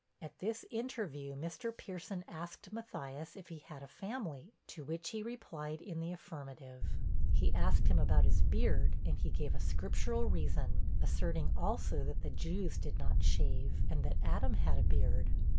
At this interview, Mr. Pierson asked Matthias if he had a family, to which he replied in the affirmative; he asked him about his beard, and he gave a scriptural reason, asserting also that the Jews did not shave, and that Adam had a beard.